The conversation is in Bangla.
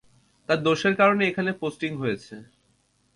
তার দোষের কারণে এখানে পোস্টং হয়েছে।